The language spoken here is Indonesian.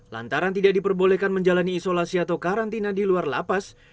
lantaran tidak diperbolehkan menjalani isolasi atau karantina di luar lapas